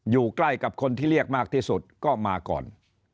อยู่ใกล้กับคนที่เรียกมากที่สุดก็มาก่อน